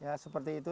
ya seperti itu